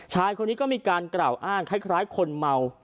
ชายคนนี้ก็มีการกล่าวอ้างคล้ายคนเมา